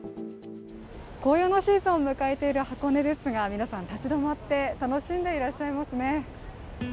紅葉のシーズンを迎えている箱根ですが皆さん、立ち止まって楽しんでいらっしゃいますね。